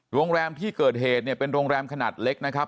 โรงแรมที่เกิดเหตุเนี่ยเป็นโรงแรมขนาดเล็กนะครับ